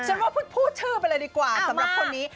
ฉันว่าพูดชื่อไปเลยดีกว่าสำหรับคนนี้